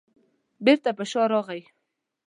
بېرته په شا راغی.